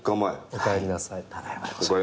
おかえりなさい。